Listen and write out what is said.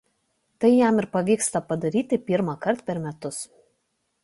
Tai jam ir pavyksta padaryti pirmąkart per metus.